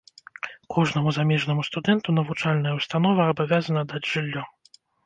Кожнаму замежнаму студэнту навучальная ўстанова абавязана даць жыллё.